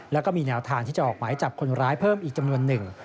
แล้วก็มีแนวทางที่จะออกหมายจับคนร้ายเพิ่มอีกจำนวนหนึ่ง